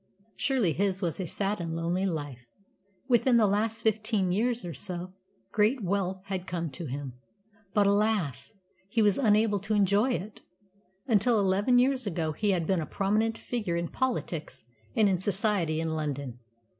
Surely his was a sad and lonely life. Within the last fifteen years or so great wealth had come to him; but, alas! he was unable to enjoy it. Until eleven years ago he had been a prominent figure in politics and in society in London.